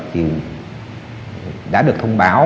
thì đã được thông báo